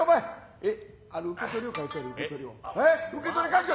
えっ？